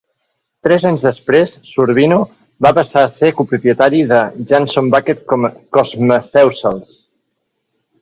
Tres anys després, Sorvino va passar a ser copropietari de Janson-Beckett Cosmeceuticals.